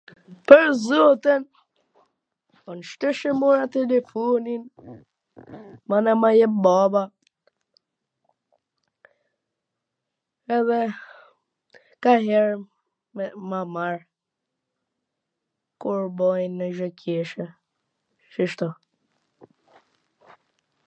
Pwr zotin, C desh e mora atw deponin, mana ma jep baba edhe kanjher e marr kur boj nonj gjw t keqe shishto